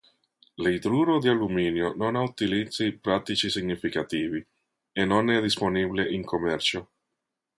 L'idruro di alluminio non ha utilizzi pratici significativi, e non è disponibile in commercio.